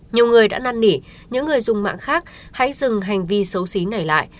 nhiều người đã năn nỉ những người dùng mạng khác hãy dừng hành vi xấu xí nảy lại